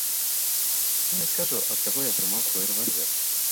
Я не скажу, ад каго я атрымаў свой рэвальвер.